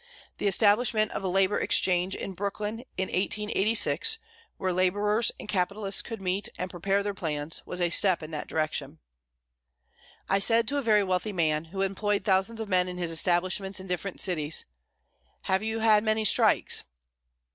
The establishment of a labour exchange, in Brooklyn in 1886, where labourers and capitalists could meet and prepare their plans, was a step in that direction. I said to a very wealthy man, who employed thousands of men in his establishments in different cities: "Have you had many strikes?"